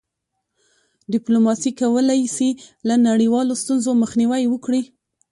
ډيپلوماسي کولی سي له نړیوالو ستونزو مخنیوی وکړي.